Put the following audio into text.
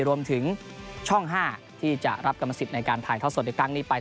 รวมถึงช่อง๕ที่จะรับกรรมสิทธิ์ในการถ่ายทอดสดในครั้งนี้ไป